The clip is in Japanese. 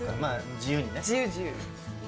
自由、自由。